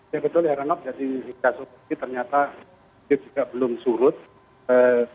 ya betul ya renok jadi di jasa suki ternyata dia juga belum surut